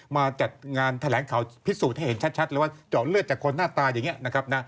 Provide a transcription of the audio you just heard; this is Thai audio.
มาจัดงานแถลงข่าวพิสูจน์ให้เห็นชัดเลยว่าเจาะเลือดจากคนหน้าตาอย่างนี้นะครับนะ